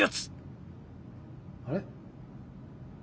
あれ？